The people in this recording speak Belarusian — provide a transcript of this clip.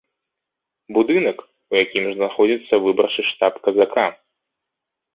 Будынак, у якім знаходзіцца выбарчы штаб казака.